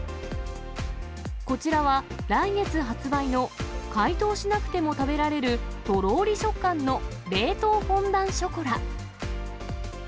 こちらは、来月発売の解凍しなくても食べられるとろーり食感の冷凍フォンダンショコラ。